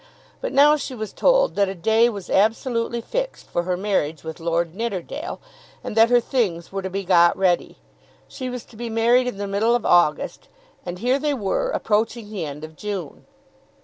But now she was told that a day was absolutely fixed for her marriage with Lord Nidderdale, and that her things were to be got ready. She was to be married in the middle of August, and here they were, approaching the end of June.